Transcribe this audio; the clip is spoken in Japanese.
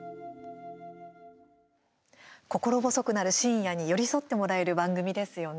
心細くなる深夜に寄り添ってもらえる番組ですよね。